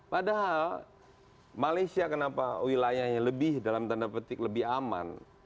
padahal malaysia kenapa wilayahnya lebih dalam tanda petik lebih aman